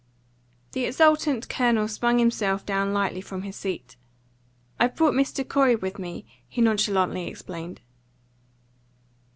THE exultant Colonel swung himself lightly down from his seat. "I've brought Mr. Corey with me," he nonchalantly explained.